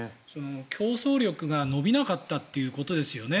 競争力が伸びなかったということですよね